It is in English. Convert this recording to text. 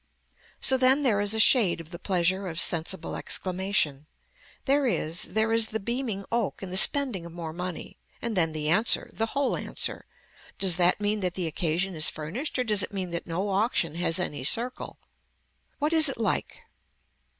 So then there is a shade of the pleasure of sensible exclamation. There is, there is the beaming oak and the spending of more money and then the answer, the whole answer, does that mean that the occasion is furnished or does it mean that no auction has any circle. What is it like.